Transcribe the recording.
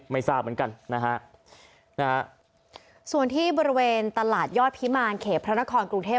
ไม่ทราบเหมือนกันนะฮะนะฮะส่วนที่บริเวณตลาดยอดพิมารเขตพระนครกรุงเทพ